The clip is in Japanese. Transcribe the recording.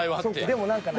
でも何かな。